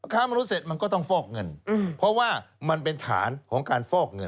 ค้ามนุษย์เสร็จมันก็ต้องฟอกเงินเพราะว่ามันเป็นฐานของการฟอกเงิน